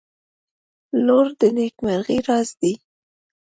• لور د نیکمرغۍ راز دی.